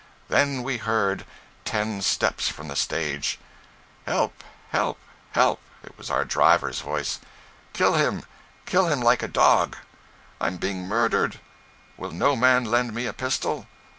Then we heard—ten steps from the stage— "Help! help! help!" [It was our driver's voice.] "Kill him! Kill him like a dog!" "I'm being murdered! Will no man lend me a pistol?"